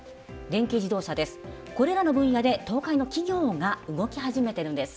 これらの分野で東海の企業が動き始めてるんです。